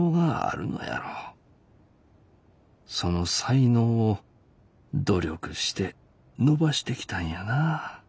その才能を努力して伸ばしてきたんやな。